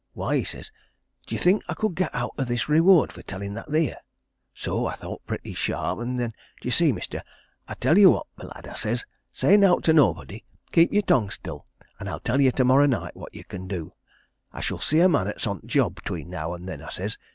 'Why,' he says, 'd'yer think I could get owt o' this reward for tellin that theer?' So I thowt pretty sharp then, d'ye see, mister. 'I'll tell yer what, mi lad,' I says. 'Say nowt to nobody keep your tongue still and I'll tell ye tomorrow night what ye can do I shall see a man 'at's on that job 'tween now and then,' I says.